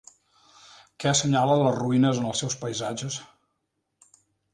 Què assenyalen les ruïnes en els seus paisatges?